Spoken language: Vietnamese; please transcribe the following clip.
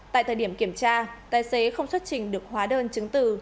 tại thời điểm kiểm tra tài xế không xuất trình được hóa đơn chứng từ